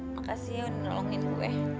makasih ya nolongin gue